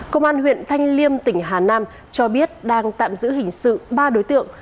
công an huyện thanh liêm tỉnh hà nam cho biết đang tạm giữ hình sự ba đối tượng